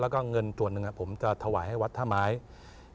แล้วก็เงินส่วนหนึ่งผมจะถวายให้วัดท่าไม้